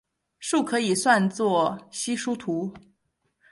树可以算是稀疏图。